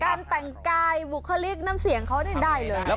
การแต่งกายบุคลิกน้ำเสียงเขานี่ได้เลย